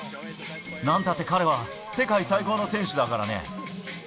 なんたって彼は世界最高の選手だからね。